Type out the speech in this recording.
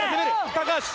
高橋！